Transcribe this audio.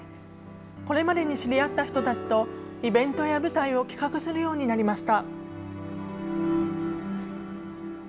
これまでに知り合った人たちとイベントや舞台を企画するようになりました。